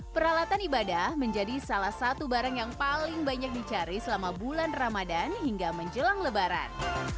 peralatan ibadah menjadi salah satu barang yang paling banyak dicari selama bulan ramadan hingga menjelang lebaran